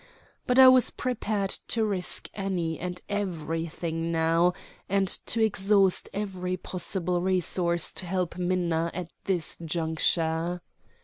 But I was prepared to risk any and every thing now, and to exhaust every possible resource to help Minna at this juncture.